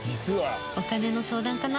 お金の相談かな？